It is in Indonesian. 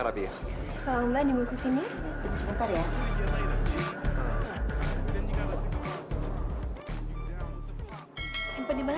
sampai jumpa di video selanjutnya